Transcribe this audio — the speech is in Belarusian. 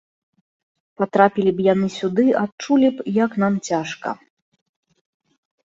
Патрапілі б яны сюды, адчулі б, як нам цяжка.